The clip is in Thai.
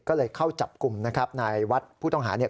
ก็เลยเข้าจับกลุ่มนะครับนายวัดผู้ต้องหาเนี่ย